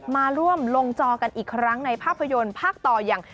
มาร่วมลงจอกันอีกครั้งในภาพยนตร์ภาคต่ออย่าง